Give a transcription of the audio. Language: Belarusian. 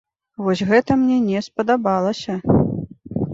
Вось гэта мне не спадабалася.